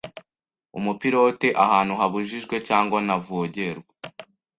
umupilote ahantu habujijwe cyangwa ntavogerwa